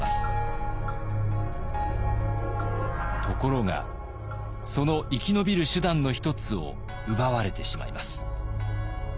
ところがその生き延びる手段の一つを奪われてしまいます。